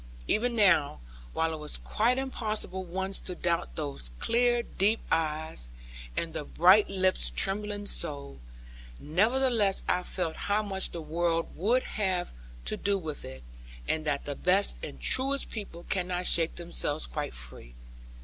Even now, while it was quite impossible once to doubt those clear deep eyes, and the bright lips trembling so; nevertheless I felt how much the world would have to do with it; and that the best and truest people cannot shake themselves quite free.